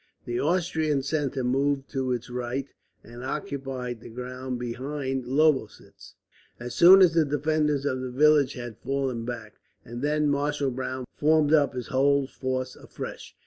The Austrian centre moved to its right, and occupied the ground behind Lobositz as soon as the defenders of the village had fallen back, and then Marshal Browne formed up his whole force afresh.